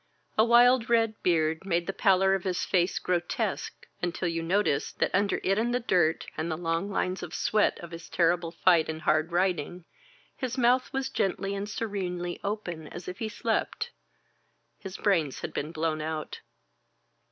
A wild red beard made the pallor of his face grotesque, until you noticed that under it and the dirt, and the long lines of sweat of his terrible fight and hard riding, his mouth was gently and serenely open as if he slept. His brains had been blown out.